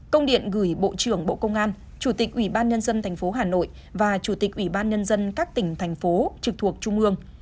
công điện gửi bộ trưởng bộ công an chủ tịch ủy ban nhân dân tp hà nội và chủ tịch ủy ban nhân dân các tỉnh thành phố trực thuộc trung ương